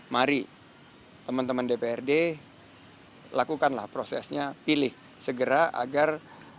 mari teman teman dprd lakukanlah prosesnya pilih segera agar